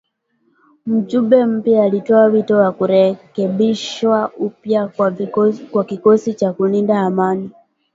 Mjumbe mpya alitoa wito wa kurekebishwa upya kwa kikosi cha kulinda amani